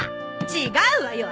違うわよ